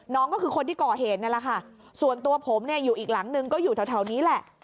น้องก็คือคนที่ก่อเหตุนั่นแหละค่ะส่วนตัวผมเนี่ยอยู่อีกหลังนึงก็อยู่แถวนี้แหละ